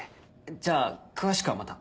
じゃあ詳しくはまた。